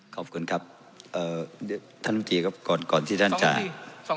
ขอบคุณครับเอ่อท่านครับก่อนที่ท่านจะสอง